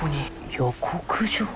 予告状？